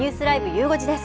ゆう５時です。